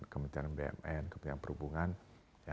kementerian bumn kemudian perhubungan